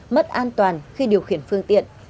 mất an toàn khi điều khiển phương tiện